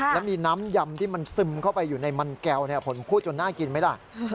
แล้วมีน้ำยำที่มันซึมเข้าไปอยู่ในมันแก้วผมพูดจนน่ากินไหมล่ะ